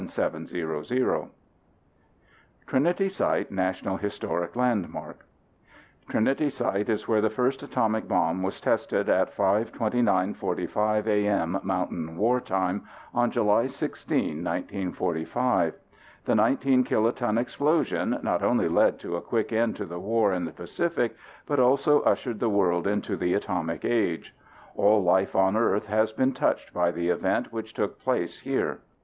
Trinity Site National Historic Landmark Trinity Site is where the first atomic bomb was tested at 5:29:45 a.m. Mountain War Time on July 16, 1945. The 19 kiloton explosion not only led to a quick end to the war in the Pacific but also ushered the world into the atomic age. All life on Earth has been touched by the event which took place here.